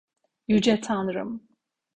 Yüce Tanrım!